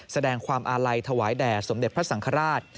แสดงความอาลัยถวายแด่สมเด็จพระสังฆราช